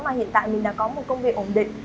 mà hiện tại mình đã có một công việc ổn định